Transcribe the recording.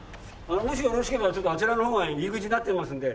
もしよろしければあちらの方が入り口になってますんで。